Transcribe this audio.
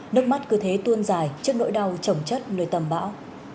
nước mắt cứ thế tuôn dài trước nỗi đau trồng chất nơi tầm bão